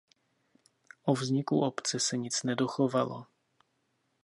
O vzniku obce se nic nedochovalo.